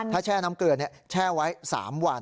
ถ้าแช่น้ำเกลือแช่ไว้๓วัน